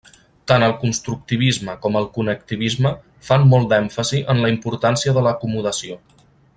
Tant el constructivisme com el connectivisme fan molt d'èmfasi en la importància de l'acomodació.